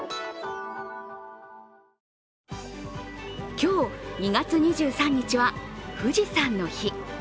今日、２月２３日は富士山の日。